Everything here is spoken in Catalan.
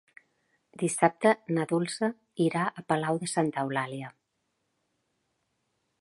Dissabte na Dolça irà a Palau de Santa Eulàlia.